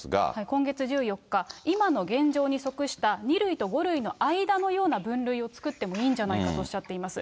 今月１４日、今の現状に即した２類の５類の間のような分類を作ってもいいんじゃないかとおっしゃっています。